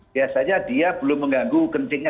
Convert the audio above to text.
biasanya dia belum mengganggu kencingnya